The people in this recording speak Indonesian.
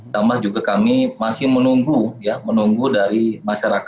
tambah juga kami masih menunggu ya menunggu dari masyarakat